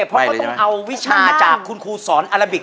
เพราะเขาต้องเอาวิชาจากคุณครูสอนอาราบิก